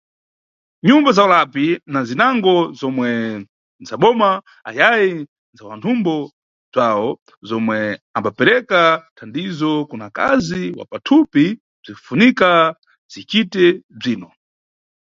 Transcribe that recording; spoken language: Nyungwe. Nyumba za ulapi na zinango zomwe ndzaboma ayayi ndza wanthumbo bzawo zomwe ambapereka thandizo kuna akazi wa pathupi bzinʼfunika zicite bzino.